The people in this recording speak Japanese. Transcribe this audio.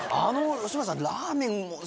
吉村さん。